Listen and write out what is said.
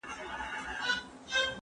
زه به سبا مځکي ته ګورم وم!